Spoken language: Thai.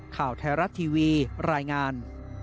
ข่าวไทยรัฐทีวีรายงาน